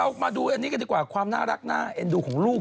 มาดูอันนี้กันดีกว่าความน่ารักน่าเอ็นดูของลูก